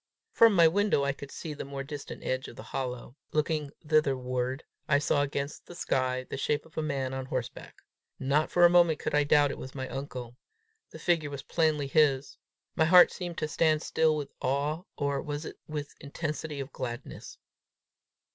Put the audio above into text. From my window I could see the more distant edge of the hollow: looking thitherward, I saw against the sky the shape of a man on horseback. Not for a moment could I doubt it was my uncle. The figure was plainly his. My heart seemed to stand still with awe, or was it with intensity of gladness?